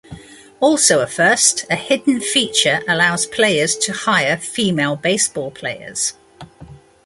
Also a first, a hidden feature allows players to hire female baseball players.